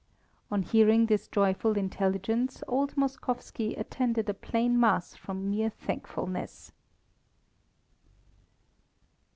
On hearing this joyful intelligence, old Moskowski attended a plain Mass from mere thankfulness.